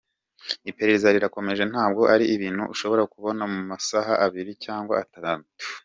Iperereza rirakomeje ntabwo ari ibintu ushobora kubona mu masaha abiri cyangwa atatu.